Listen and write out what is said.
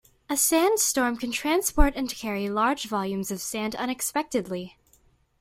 A sandstorm can transport and carry large volumes of sand unexpectedly.